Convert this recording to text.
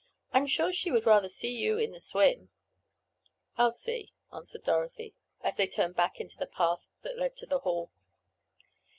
I'm sure she would rather see you in the swim." "I'll see," answered Dorothy, as they turned back into the path that led to the Hall.